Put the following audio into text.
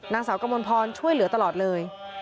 นางสาวกมลพรช่วยเหลือตลอดเลย